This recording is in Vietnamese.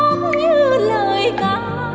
như lời ca